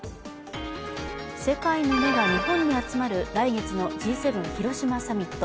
世界の目が日本に集まる来月のＧ７広島サミット。